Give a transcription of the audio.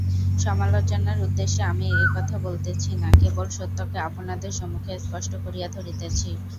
সমালোচনার উদ্দেশ্যে আমি এ-কথা বলিতেছি না, কেবল সত্যকে আপনাদের সম্মুখে স্পষ্ট করিয়া ধরিতেছি।